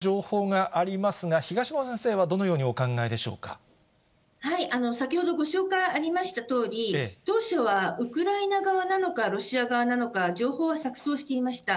東野先生、いくつかの情報がありますが、東野先生はどのようにお先ほどご紹介ありましたとおり、当初はウクライナ側なのか、ロシア側なのか、情報が錯綜していました。